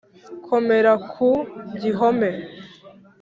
komera ku gihome